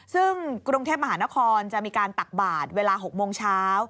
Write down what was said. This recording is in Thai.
ซึ่งกรุงเทพมหานครจะมีการตักบาทเวลา๖โมงเช้า